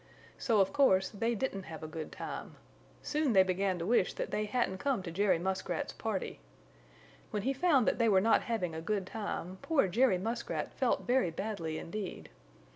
So of course they didn't have a good time. Soon they began to wish that they hadn't come to Jerry Muskrat's party. When he found that they were not having a good time, poor Jerry Muskrat felt very badly indeed.